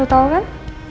lo tau kan